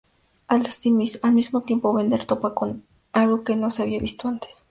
Al mismo tiempo, Bender topa con algo que no se había visto antes.